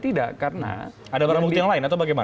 tidak karena ada barang bukti yang lain atau bagaimana